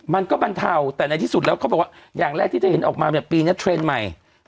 มันก็บรรเทาแต่ในที่สุดแล้วเขาบอกว่าอย่างแรกที่จะเห็นออกมาเนี่ยปีนี้เทรนด์ใหม่